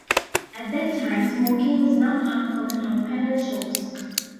At that time smoking was not uncommon on panel shows.